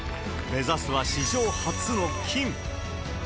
目指すは史上初の金。